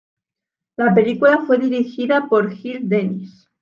La película fue dirigida por Gill Dennis.